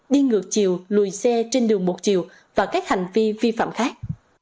đi ngược chiều lùi xe trên đường một chiều và các hành vi vi phạm khác